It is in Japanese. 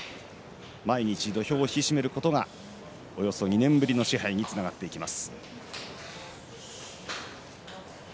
毎日、土俵を引き締めることがおよそ２年ぶりの賜盃につながっていきます。